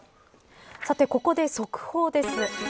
ここで速報です。